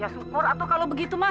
ya syukur atuh kalau begitu mah